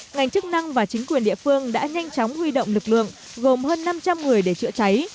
ngành chức năng và chính quyền địa phương đã nhanh chóng huy động lực lượng gồm hơn năm trăm linh người để chữa cháy